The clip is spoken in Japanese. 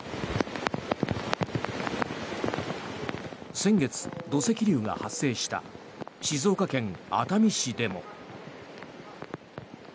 先月、土石流が発生した静岡県熱海市でも。